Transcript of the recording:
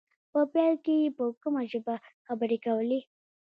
په پيل کې يې په کومه ژبه خبرې کولې.